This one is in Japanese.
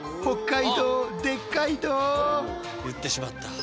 言ってしまった。